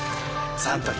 サントリー